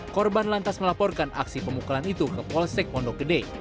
korban lantas melaporkan aksi pemukulan itu ke polsek pondok gede